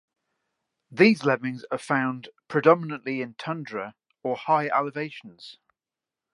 These lemmings are found predominantly in tundra or high elevations.